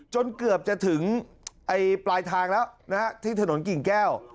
จนเกือบจะถึงปลายทางแล้วนะฮะที่ถนนกิ่งแก้ว